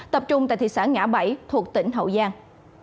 tập trung tại thị xã ngã bảy thuộc tỉnh hậu giang